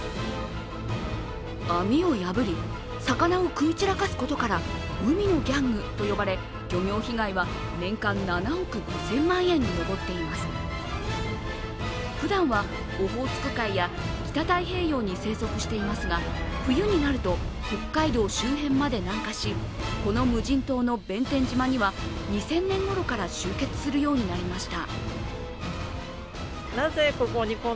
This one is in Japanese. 網を破り、魚を食い散らかすことから海のギャングと呼ばれ、漁業被害はふだんはオホーツク海や北太平洋に生息していますが冬になると北海道周辺まで南下し、この無人島の弁天島には２０００年ごろから集結するようになりました。